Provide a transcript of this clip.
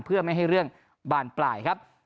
เพื่อไม่ให้เรื่องบานปลายครับ